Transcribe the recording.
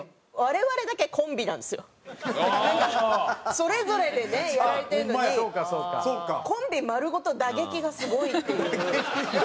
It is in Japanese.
それぞれでねやられてるのにコンビ丸ごと打撃がすごいっていう。